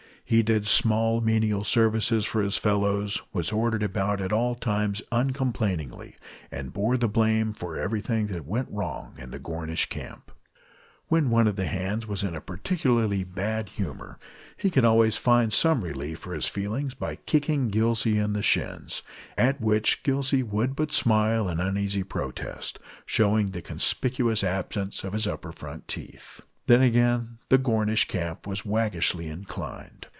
He did small menial services for his fellows, was ordered about at all times uncomplainingly, and bore the blame for everything that went wrong in the Gornish Camp. When one of the hands was in a particularly bad humor, he could always find some relief for his feelings by kicking Gillsey in the shins, at which Gillsey would but smile an uneasy protest, showing the conspicuous absence of his upper front teeth. Then again the Gornish Camp was waggishly inclined.